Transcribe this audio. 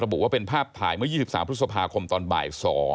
บุว่าเป็นภาพถ่ายเมื่อ๒๓พฤษภาคมตอนบ่าย๒